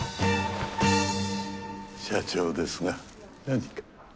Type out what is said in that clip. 社長ですが何か？